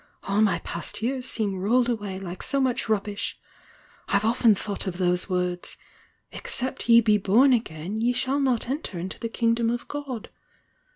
All my past years seem rolled away like so much rubbish! I've often thought of those words: 'Except ye be bom again ye shall not enter into the Kingdom of God.'